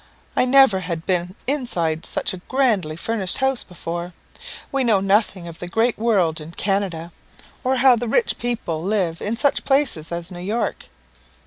I never had been inside such a grandly furnished house before. We know nothing of the great world in Canada, or how the rich people live in such a place as New York.